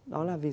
đó là vì sao